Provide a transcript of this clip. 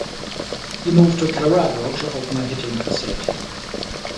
He moved to Colorado to open a hitting facility.